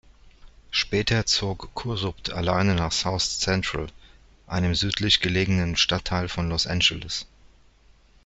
Später zog Kurupt alleine nach South Central, einem südlich gelegenen Stadtteil von Los Angeles.